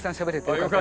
よかった。